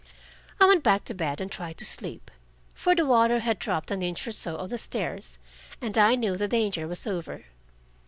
I went back to bed and tried to sleep, for the water had dropped an inch or so on the stairs, and I knew the danger was over.